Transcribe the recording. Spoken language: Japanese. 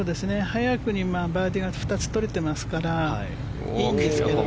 早くにバーディーが２つ取れていますからいいんですけど。